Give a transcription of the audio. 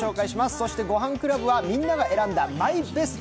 そして「ごはんクラブ」はみんなが選んだマイベスト。